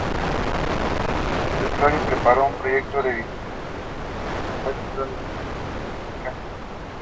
Cherepovets is the nearest rural locality.